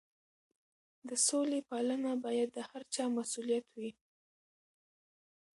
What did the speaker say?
د سولې پالنه باید د هر چا مسؤلیت وي.